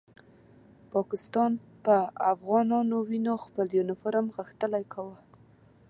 پاکستان په افغانانو وینو خپل یورانیوم غښتلی کاوه.